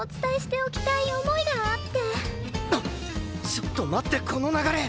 ちょっと待ってこの流れ